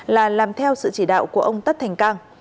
là làm theo sự chỉ đạo của ông tất thành cang